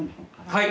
はい。